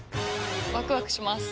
ワクワクします。